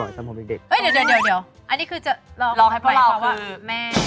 อันนี้คือจะร้องให้คุณแม่ฟังบ่อยค่ะว่า